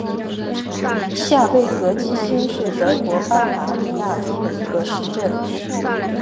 下贝格基兴是德国巴伐利亚州的一个市镇。